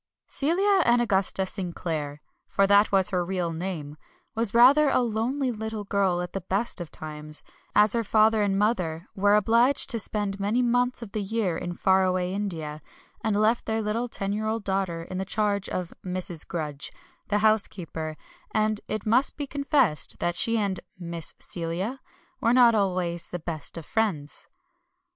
Celia Anagusta Sinclair for that was her real name was rather a lonely little girl at the best of times, as her father and mother were obliged to spend many months of the year in far away India, and left their little ten year old daughter in the charge of Mrs. Grudge, the housekeeper; and it must be confessed that she and "Miss Celia" were not always the best of friends.